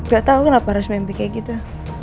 ga tau kenapa harus mimpi kaya gitu